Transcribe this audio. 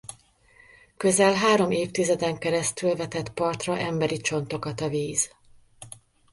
Közel három évtizeden keresztül vetett partra emberi csontokat a víz.